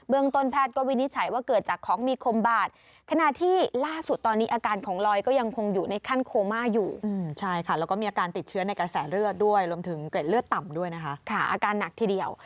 รวมถึงเกิดเลือดต่ำด้วยนะคะค่ะอาการหนักทีเดียว